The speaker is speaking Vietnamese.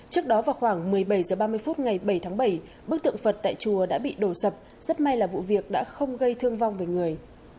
trước đó vào khoảng một mươi bảy h ba mươi phút ngày bảy tháng bảy bức tượng phật tại chùa đã bị đổ sập rất may là vụ việc đã không gây thương vong về người